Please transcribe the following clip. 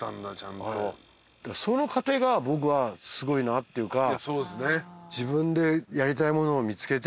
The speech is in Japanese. その過程が僕はすごいなっていうか。